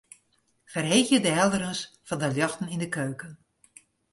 Ferheegje de helderens fan de ljochten yn de keuken.